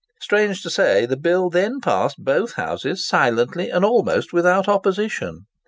Strange to say, the bill then passed both Houses silently and almost without opposition.